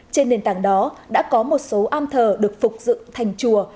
trên nền tảng đó đã có một số am thờ được phục dựng thành chùa